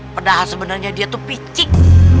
padahal sebenernya dia tuh picit